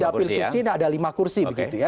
di dapil kursi ini ada lima kursi begitu ya